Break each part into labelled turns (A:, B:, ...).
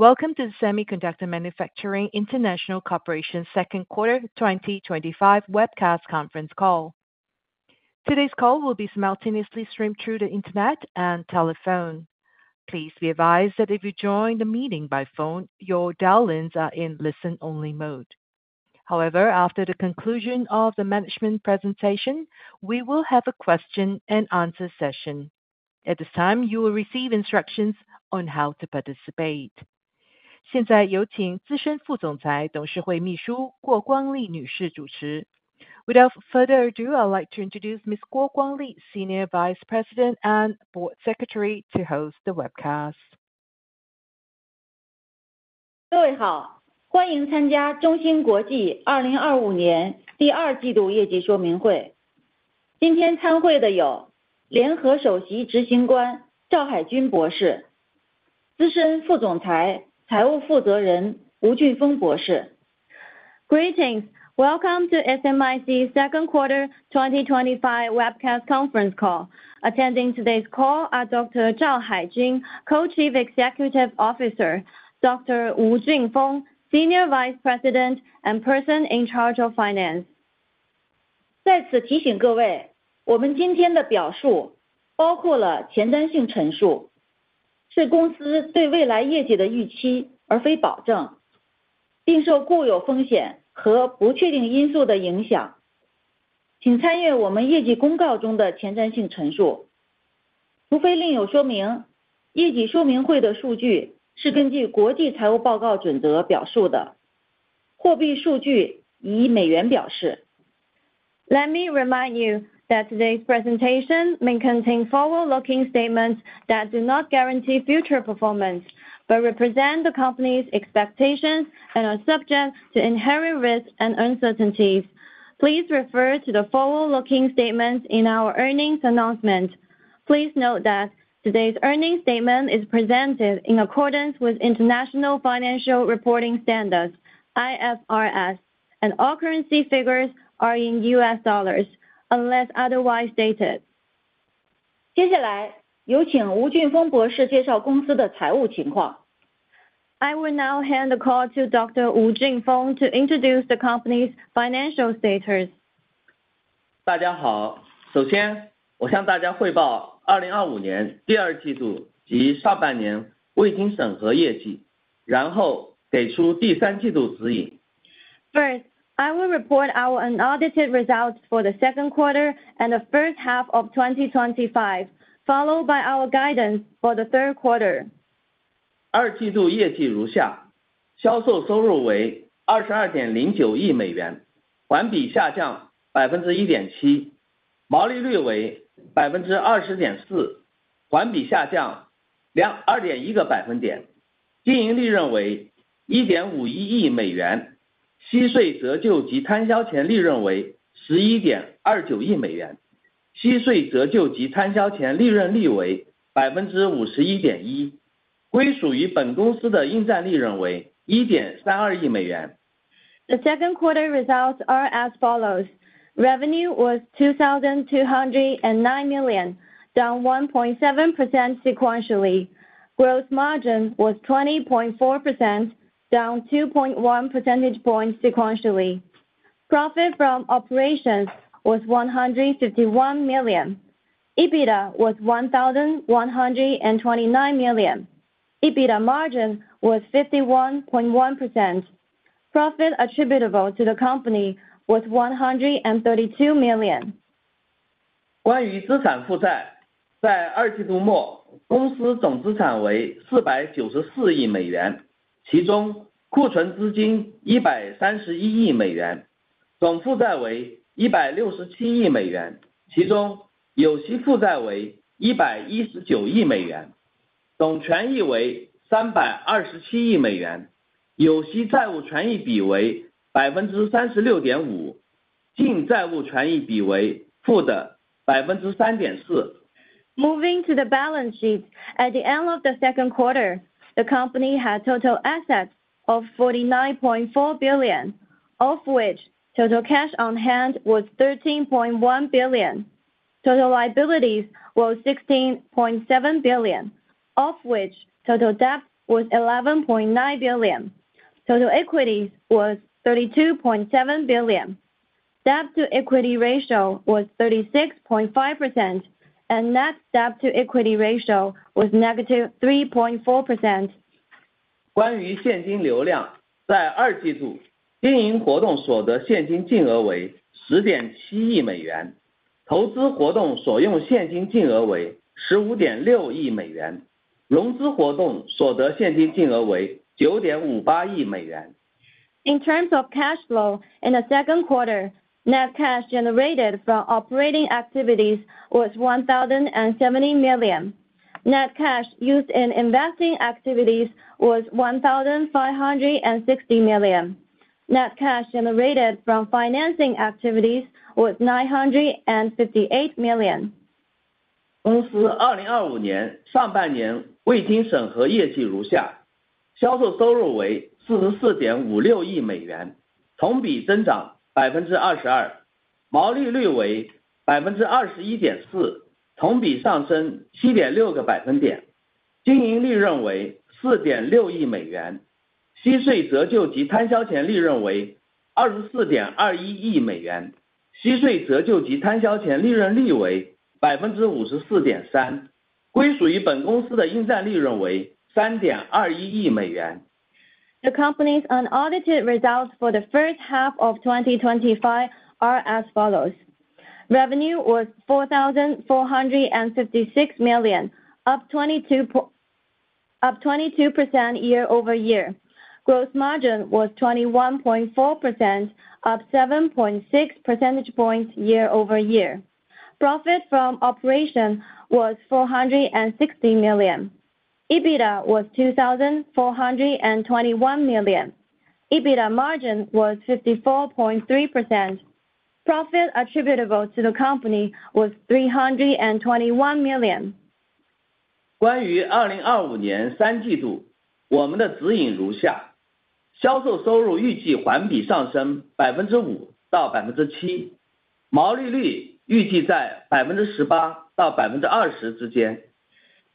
A: Welcome to the Semiconductor International Corporation Second Quarter twenty twenty five Webcast Conference Call. Today's call will be simultaneously streamed through the Internet and telephone. Please be advised that if you join the meeting by phone, your dial ins are in listen only mode. However, after the conclusion of the management presentation, we will have a question and answer session. At this time, you will receive instructions on how to participate. Without further ado, I'd like to introduce Ms. Kuo Guang Li, Senior Vice President and Board Secretary to host the webcast.
B: Greetings. Welcome to SMIC's Second Quarter twenty twenty five Webcast Conference Call. Attending today's call are Doctor. Zhao Haijing, Co Chief Executive Officer Doctor. Wu Xing Feng, Senior Vice President and Person in Charge of Finance. Let me remind you that today's presentation may contain forward looking statements that do not guarantee future performance, but represent the company's expectations and are subject to inherent risks and uncertainties. Please refer to the forward looking statements in our earnings announcement. Please note that today's earnings statement is presented in accordance with International Financial Reporting Standards, IFRS, and all currency figures are in U. S. Dollars, unless otherwise stated. I will now hand the call to Doctor. Wu Jing Feng to introduce the First, I will report our unaudited results for the second quarter and the 2025, followed by our guidance for the third quarter. The second quarter results are as follows. Revenue was 2,209 million dollars down 1.7% sequentially. Gross margin was 20.4%, down 2.1 percentage points sequentially. Profit from operations was $151,000,000 EBITDA was $1,129,000,000 EBITDA margin was 51.1. Profit attributable to the company was RMB 132,000,000. Moving to the balance sheet. At the end of the second quarter, the company had total assets of $49,400,000,000 of which total cash on hand was 13,100,000,000.0 Total liabilities was 16,700,000,000.0, of which total debt was 11,900,000,000.0. Total equities was 32,700,000,000.0. Debt to equity ratio was 36.5% and net debt to equity ratio was negative 3.4%. In terms of cash flow, in the second quarter, net cash generated from operating activities was 1070 million. Net cash used in investing activities was 1560 million. Net cash generated from financing activities was The company's unaudited results for the 2025 are as follows. Revenue was 4,456 million dollars percent year over year. Gross margin was 21.4%, up 7.6 percentage points year over year. Profit from operation was $460,000,000 EBITDA was 2,421 million dollars EBITDA margin was 54.3%. Profit attributable to the company was $321,000,000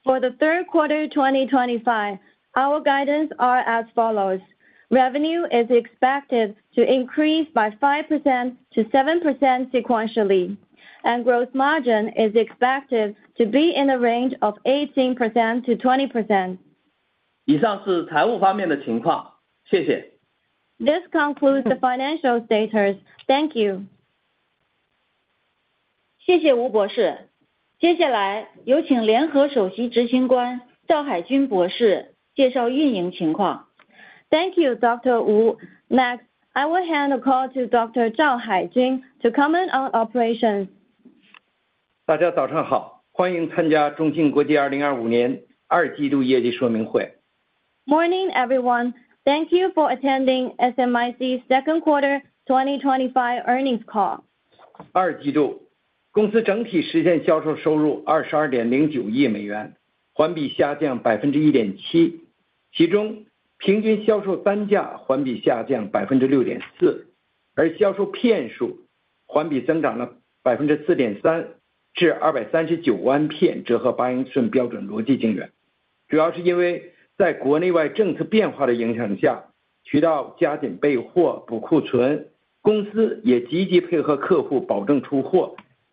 B: For the third quarter twenty twenty five, our guidance are as follows. Revenue is expected to increase by 5% to 7% sequentially and gross margin is expected to be in the range of 18% to 20%. This concludes the financial status. Thank you. Thank you, Doctor. Wu. Next, I will hand the call to Doctor. Zhao Haijun to comment on operations. Good morning, everyone. Thank you for attending SMIC's second quarter twenty twenty five earnings call.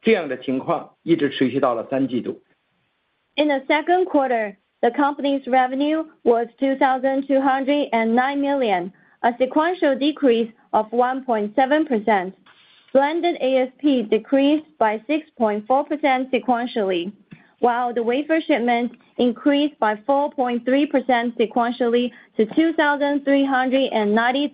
B: In the second quarter, the company's revenue was 2,209 million dollars a sequential decrease of 1.7%. Blended ASP decreased by 6.4% sequentially, while the wafer shipment increased by 4.3% sequentially to 2,390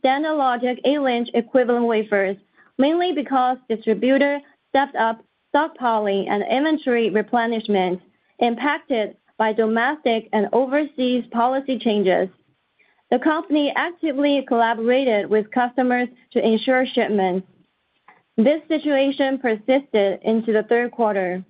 B: standard logic eight Lynch equivalent wafers, mainly because distributor stepped up soft poly and inventory replenishment impacted by domestic and overseas policy changes. The company actively collaborated with customers to ensure shipments. This situation persisted into the third quarter.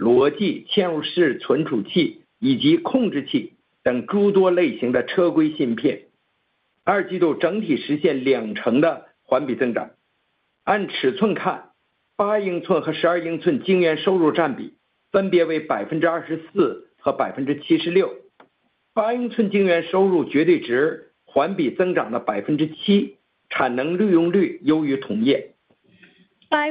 B: By region,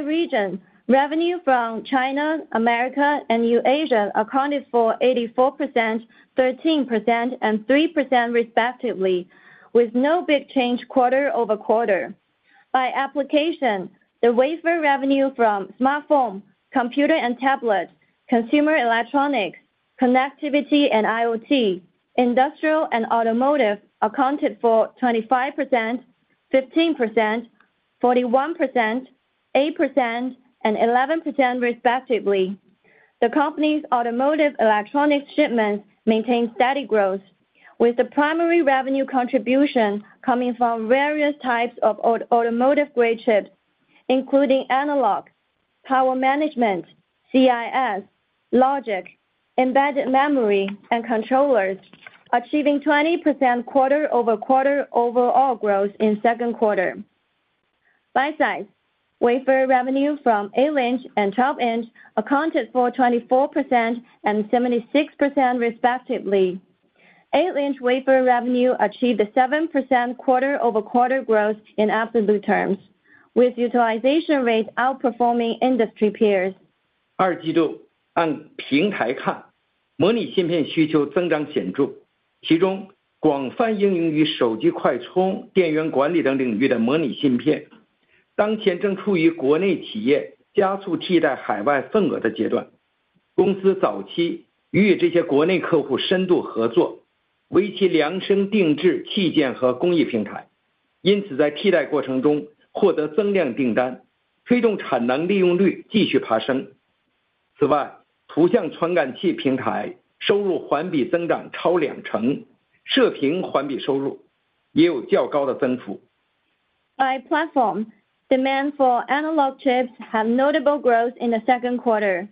B: revenue from China, America, and Eurasia accounted for 84%, 13%, and 3% respectively, with no big change quarter over quarter. By application, the wafer revenue from smartphone, computer and tablet, consumer electronics, connectivity and IoT, industrial and automotive accounted for 25%, 15%, 41%, 8%, and 11 respectively. The company's automotive electronics shipments maintained steady growth with the primary revenue contribution coming from various types of automotive grade chips, including analog, power management, CIS, logic, embedded memory, and controllers, achieving 20% quarter over quarter overall growth in second quarter. By size, wafer revenue from eight inch and 12 inch accounted for 2476% respectively. Eight inch wafer revenue achieved a 7% quarter over quarter growth in absolute terms with utilization rates outperforming industry peers. By platform, demand for analog chips have notable growth in the second quarter.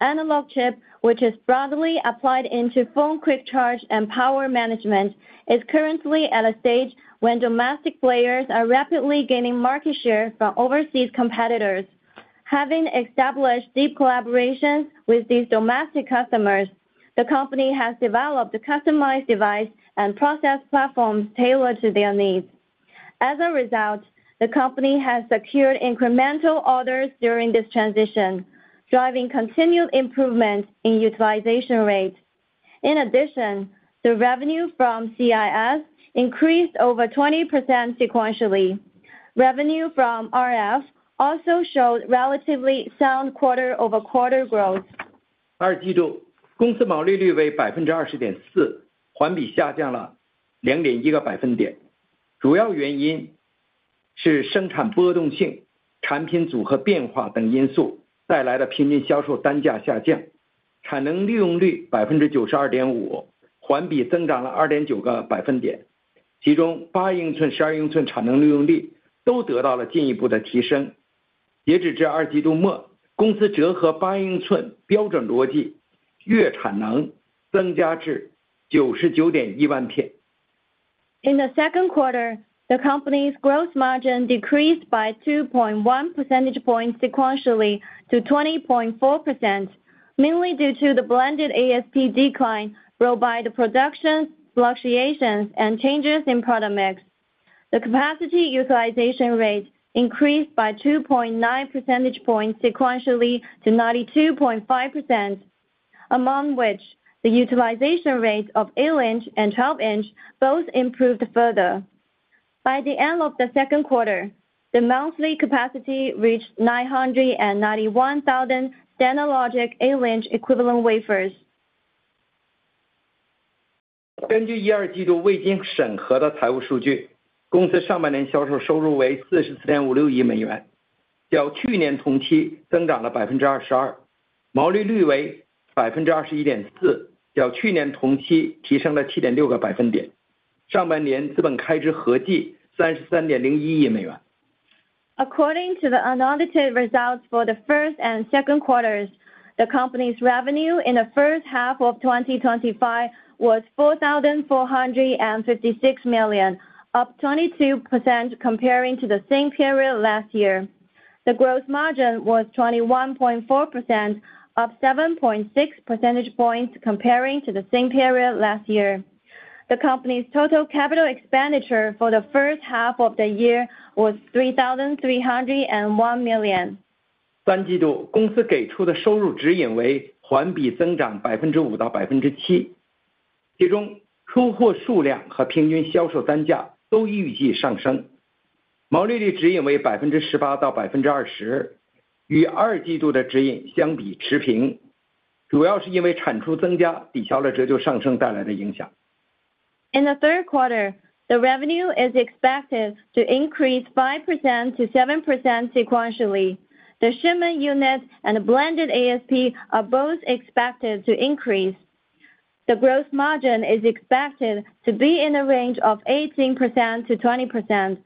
B: Analog chip, which is broadly applied into phone quick charge and power management, is currently at a stage when domestic players are rapidly gaining market share from overseas competitors. Having established deep collaborations with these domestic customers, the company has developed a customized device and process platform tailored to their needs. As a result, the company has secured incremental orders during this transition, driving continued improvement in utilization rate. In addition, the revenue from CIS increased over 20% sequentially. Revenue from RF also showed relatively sound quarter over quarter growth. In the second quarter, the company's gross margin decreased by 2.1 percentage points sequentially to 20.4%, mainly due to the blended ASP decline brought by the production fluctuations and changes in product mix. The capacity utilization rate increased by 2.9 percentage points sequentially to 92.5%, among which the utilization rate of eight inches and 12 inches both improved further. By the end of the second quarter, the monthly capacity reached 991,000 standard logic eight inches equivalent wafers. According to the unaudited results for the first and second quarters, the company's revenue in the 2025 was 4,456 million dollars up 22% comparing to the same period last year. The gross margin was 21.4%, up 7.6 percentage points comparing to the same period last year. The company's total capital expenditure for the first half of the year was 3,301 million In the third quarter, the revenue is expected to increase 5% to 7% sequentially. The shipment unit and the blended ASP are both expected to increase. The gross margin is expected to be in the range of 18% to 20%,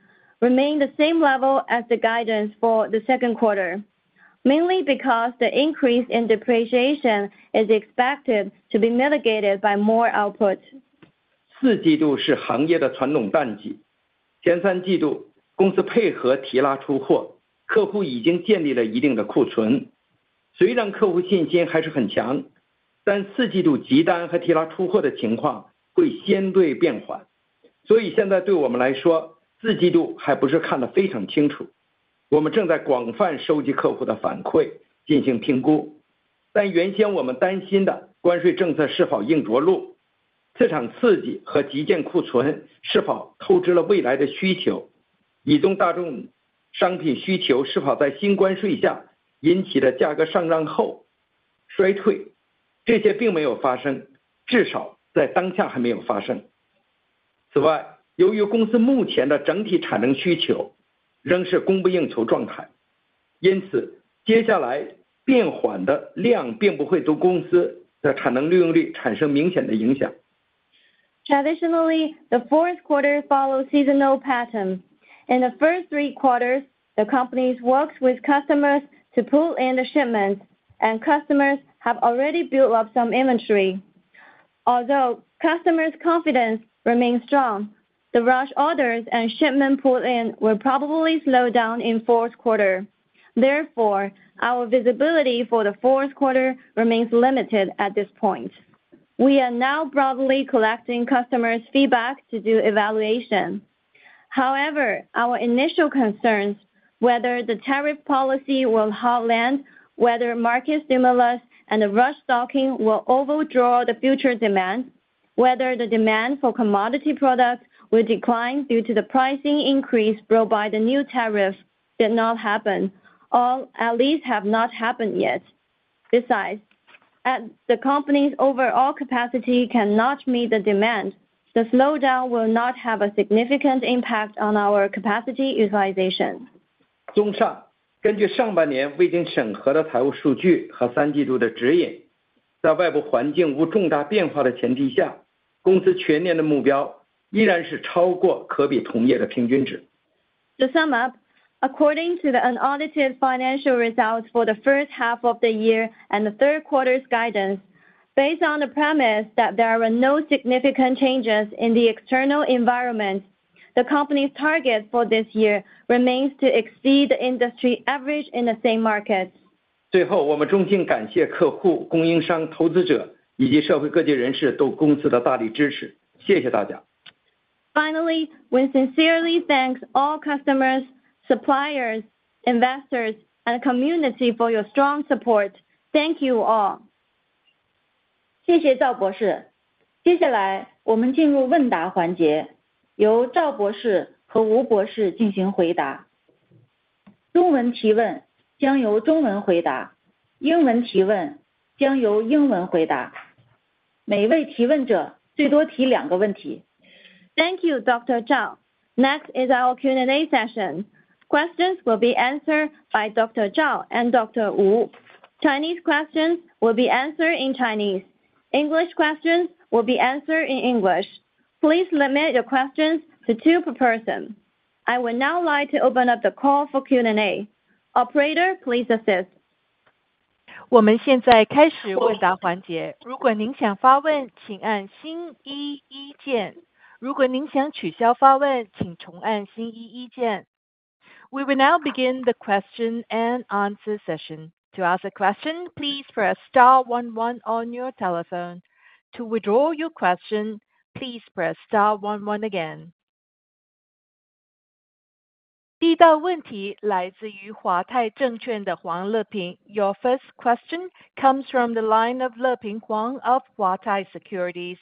B: remain the same level as the guidance for the second quarter, mainly because the increase in depreciation is expected to be mitigated by more output. Traditionally, the fourth quarter follows seasonal pattern. In the first three quarters, the company's works with customers to pull in the shipments, and customers have already built up some inventory. Although customers' confidence remains strong, the rush orders and shipment pull in will probably slow down in fourth quarter. Therefore, our visibility for the fourth quarter remains limited at this point. We are now broadly collecting customers' feedback to do evaluation. However, our initial concerns whether the tariff policy will hot land, whether market stimulus and the rush stocking will overdraw the future demand, whether the demand for commodity products will decline due to the pricing increase brought by the new tariffs did not happen, or at least have not happened yet. Besides, as the company's overall capacity cannot meet the demand, the slowdown will not have a significant impact on our capacity utilization. To sum up, according to the unaudited financial results for the first half of the year and the third quarter's guidance, based on the premise that there were no significant changes in the external environment, The company's target for this year remains to exceed industry average in the same market. Finally, we sincerely thank all customers, suppliers, investors and community for your strong support. Thank you all. Thank you, Doctor. Zhang. Next is our Q and A session. Questions will be answered by Doctor. Zhang and Doctor. Wu. Chinese questions will be answered in Chinese. English questions will be answered in English. Please limit your questions to two per person. I would now like to open up the call for Q and A. Operator, please assist.
A: We will now begin the question and answer Your first question comes from the line of Le Pen Huang of Huatai Securities.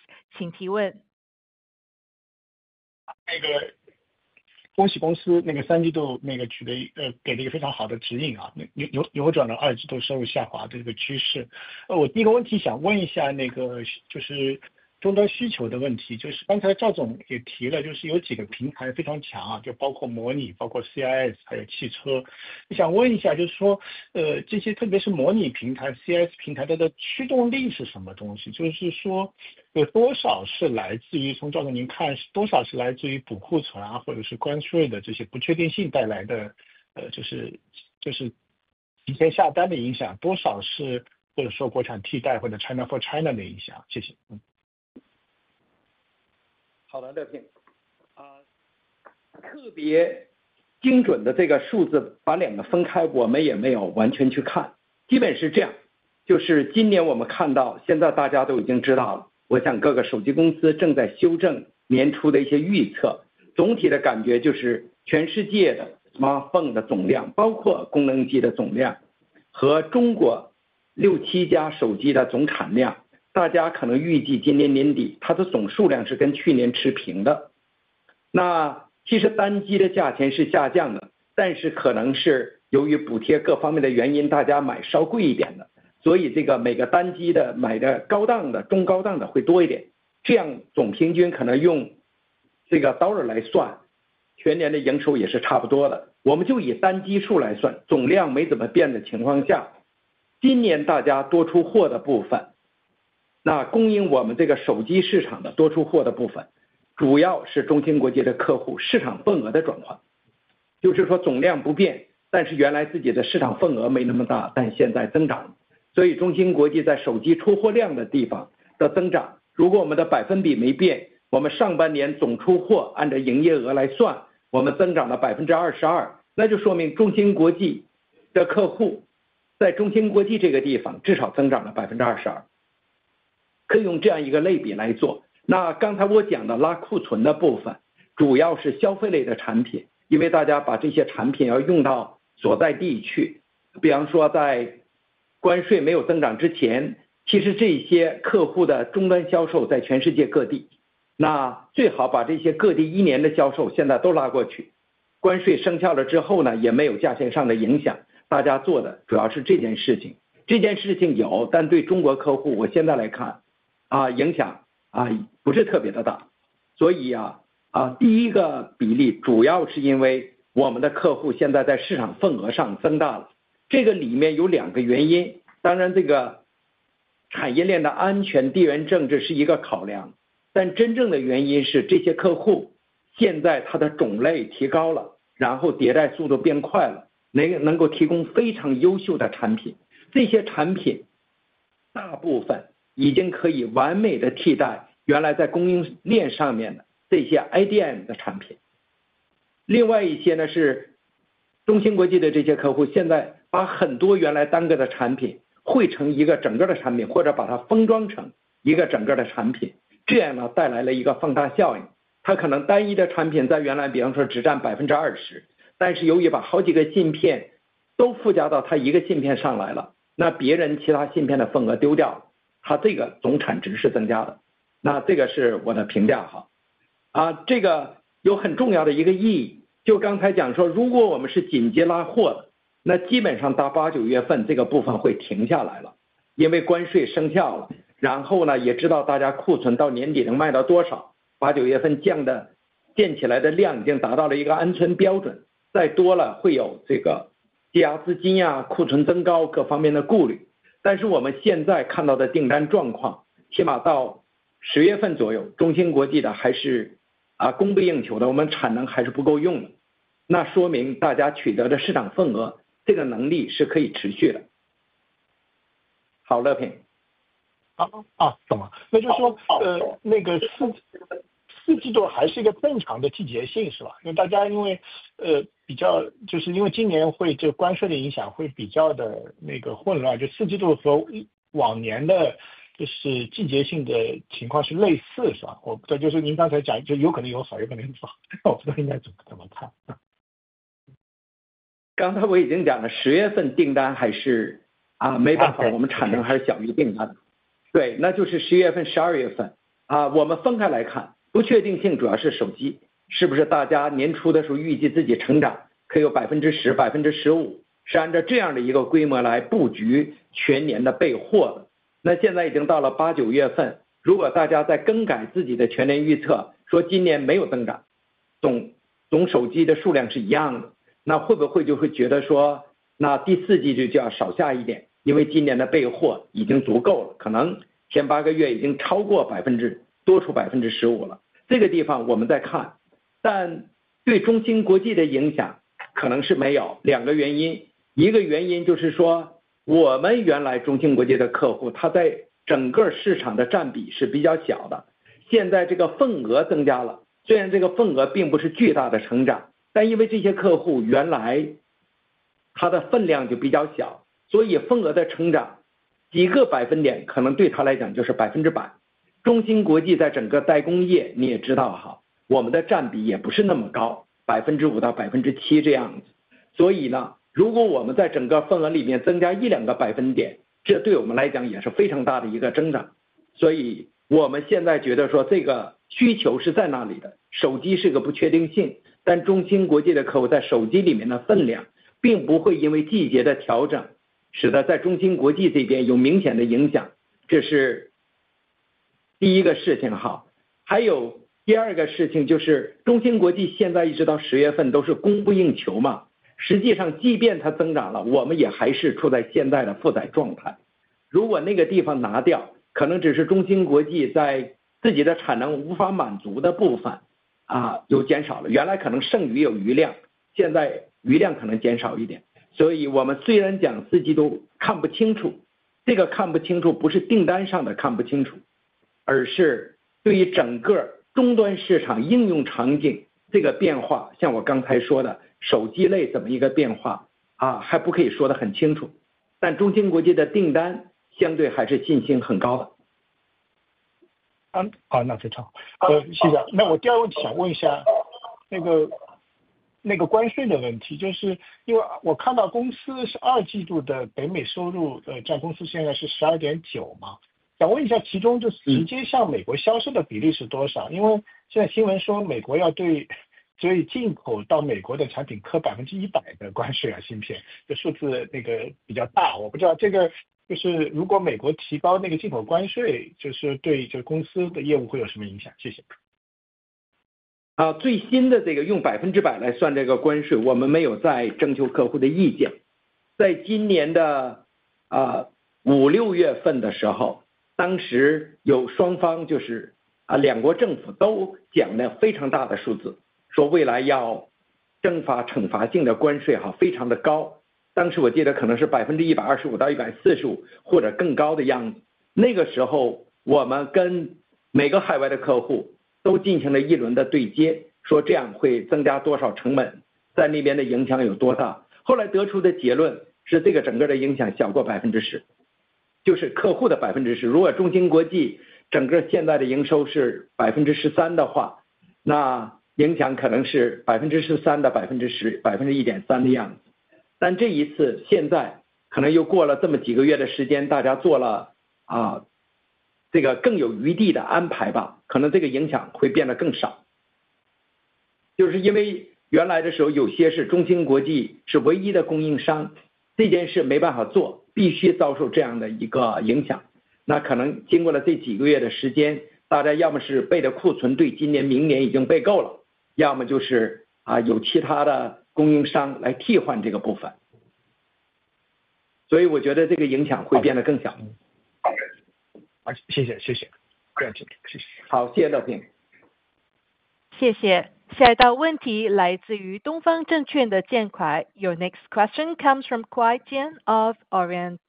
A: Your next question comes from Kua Jin of Orient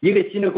A: Securities.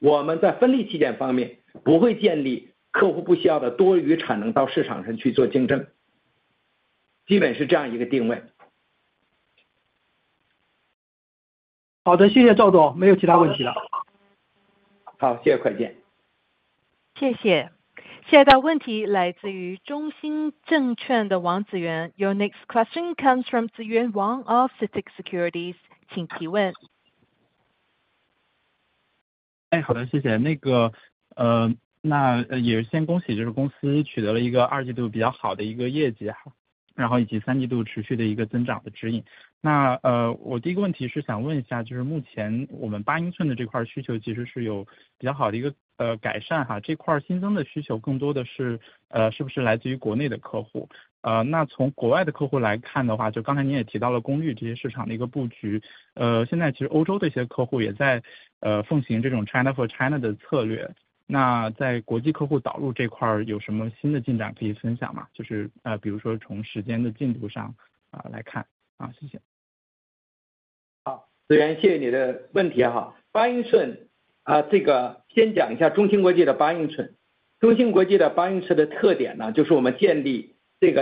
A: Your next question comes from Suyuan Wang of CITIC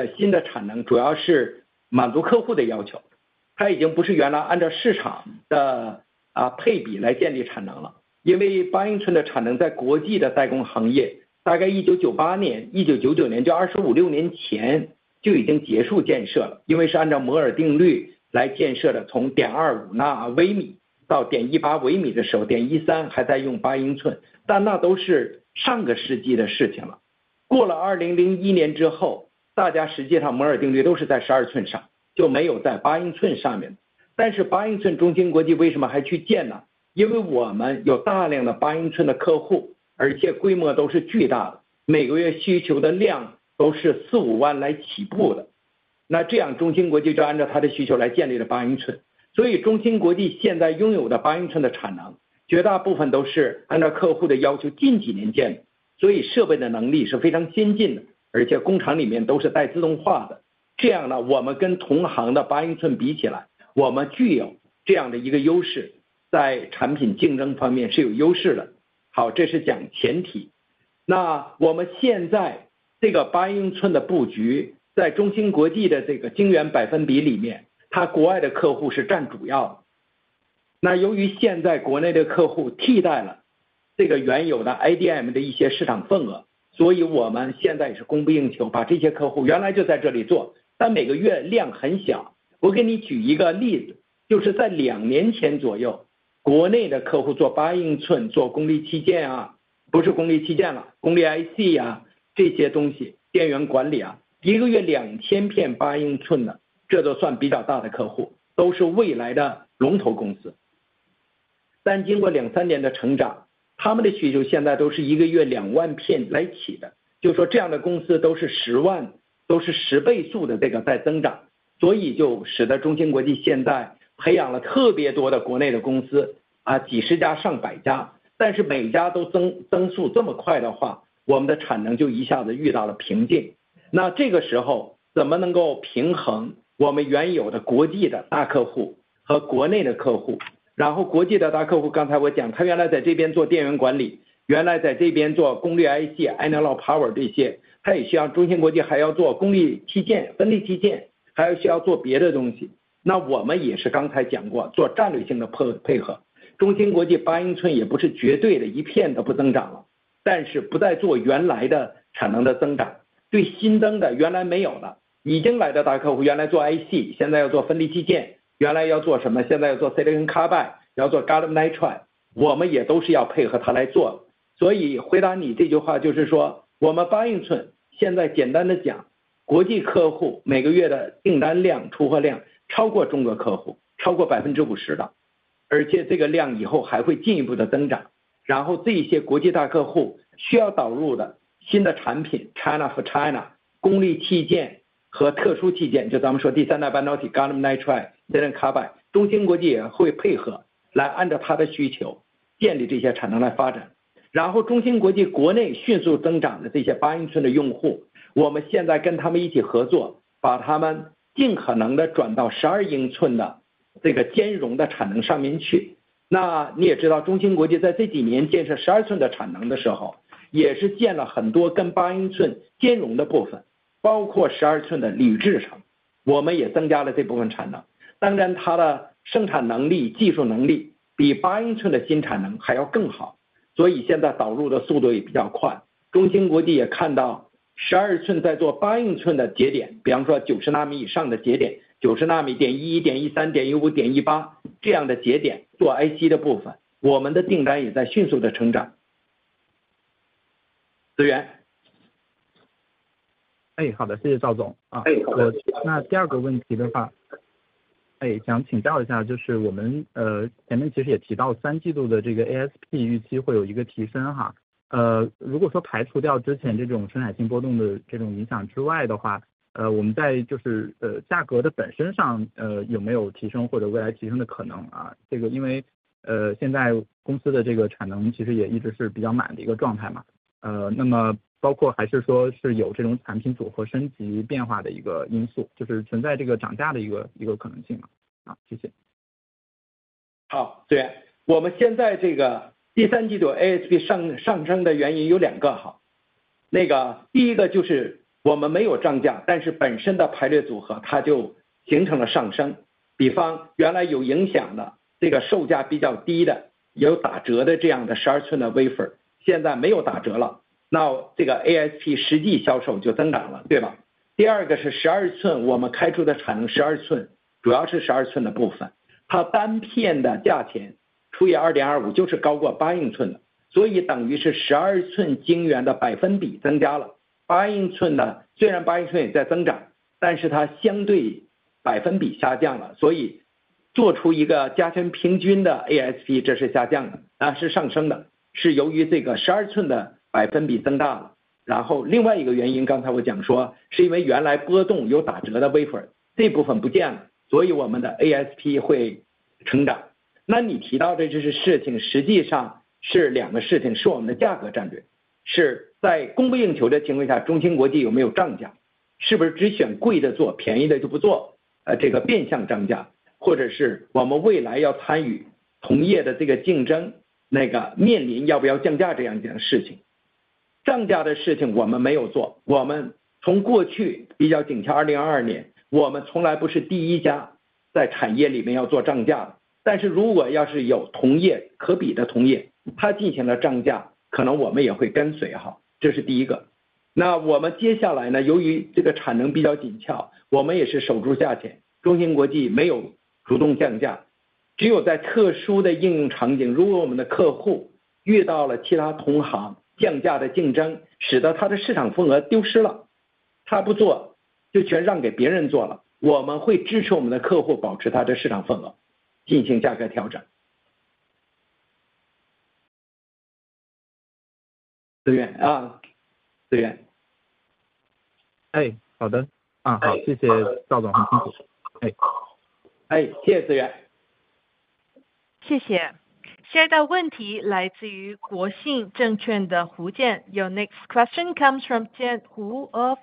A: Securities. Your next question comes from Tian Hu of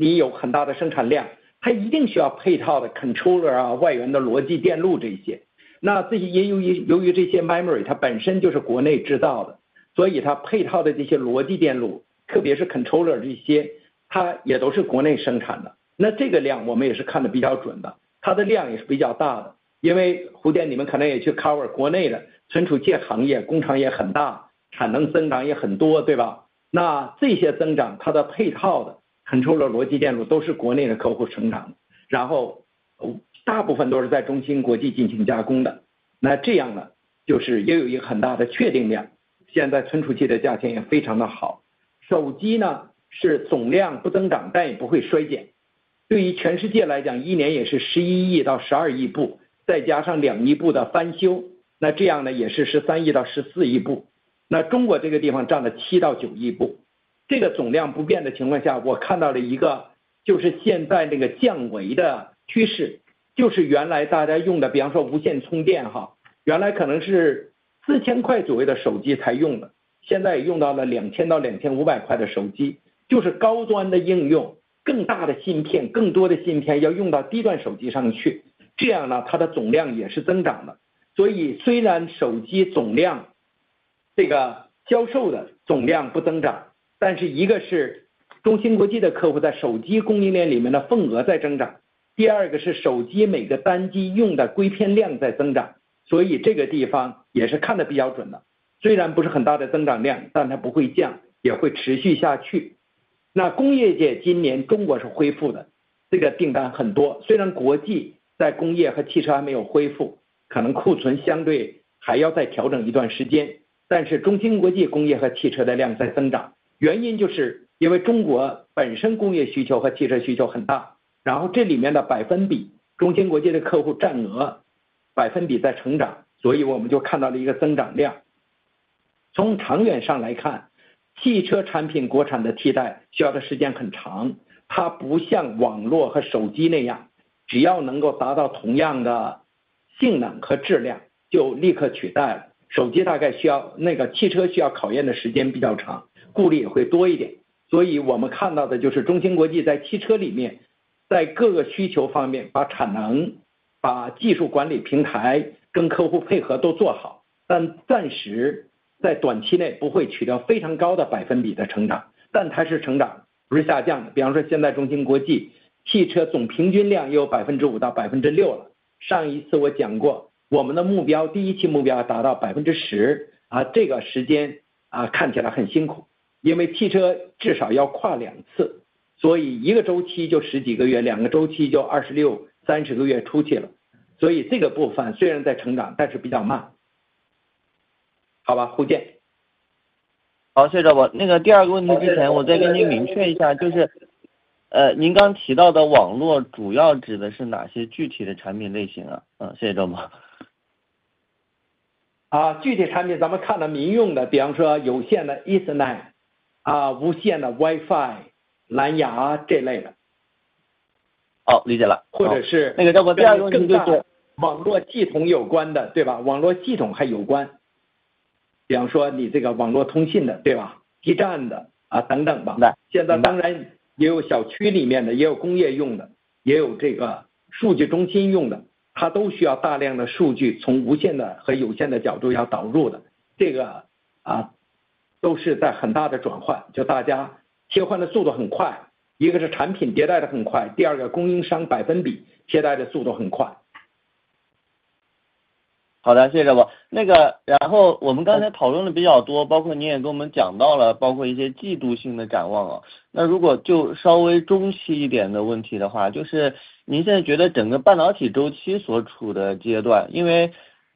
A: Gaussian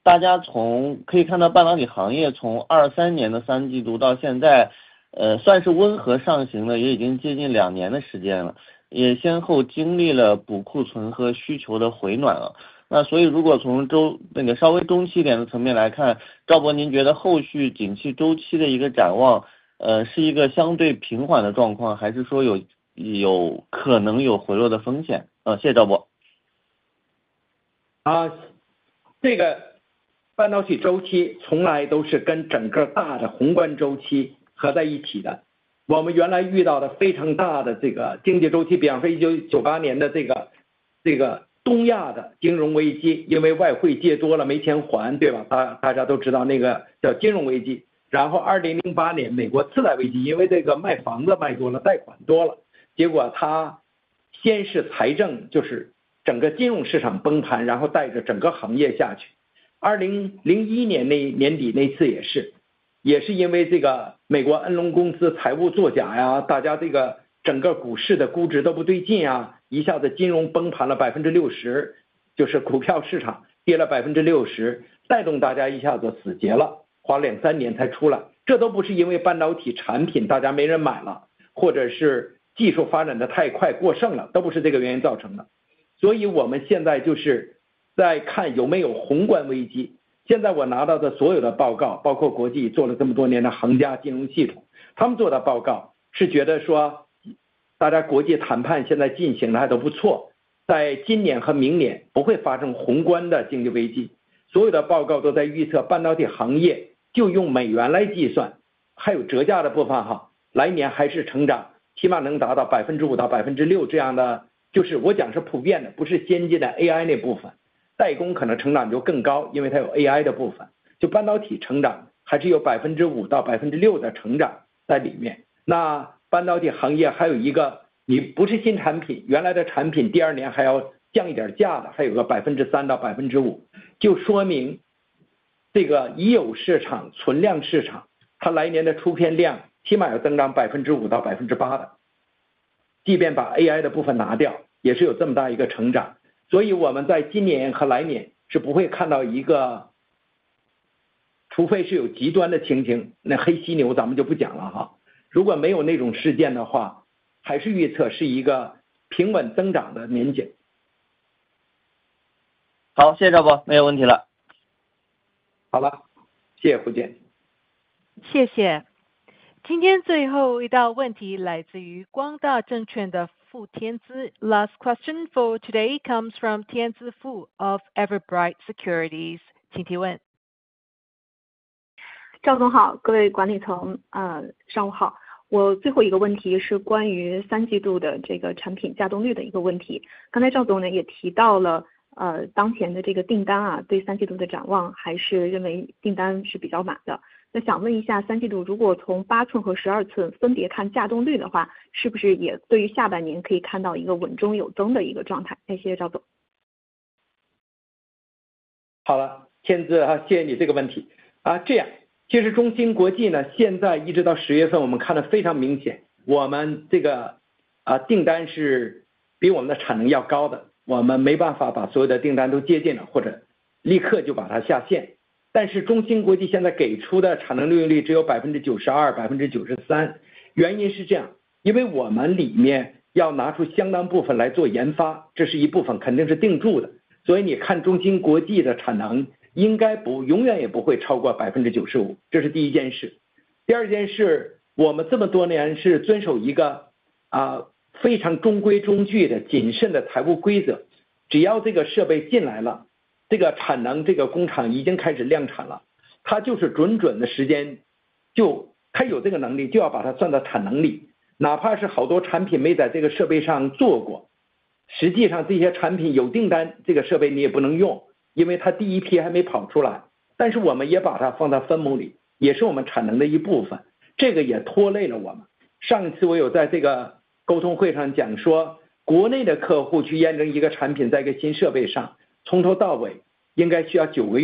A: Securities. Last question for today comes from Tian Zi Fu of Everbright Securities. I would now like to hand the call back to Ms.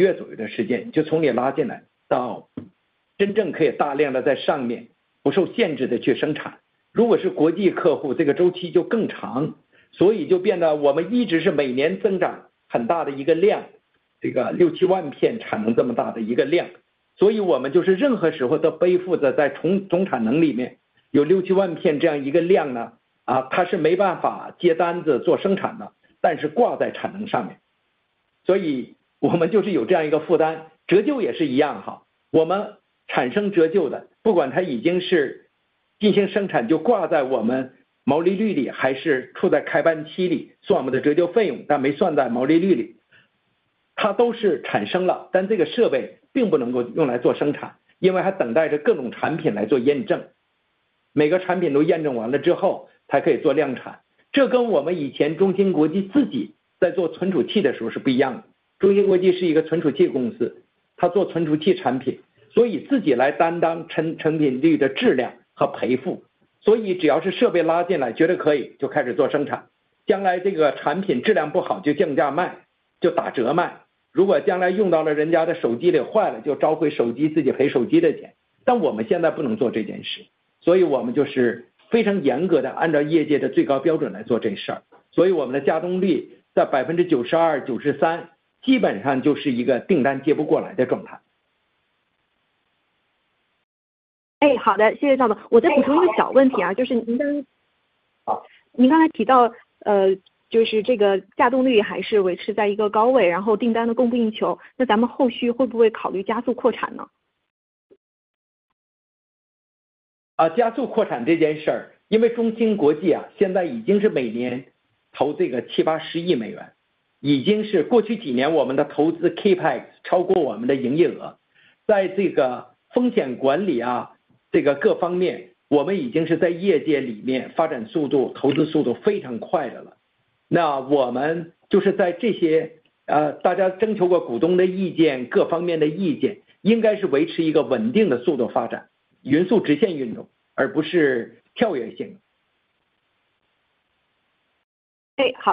A: Guo Guang Li for closing remarks.
B: Thank you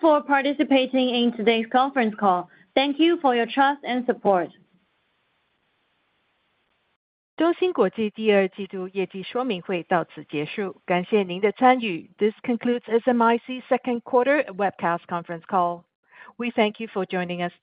B: for participating in today's conference call. Thank you for your trust and support.
A: This concludes SMIC's second quarter webcast conference call. We thank you for joining us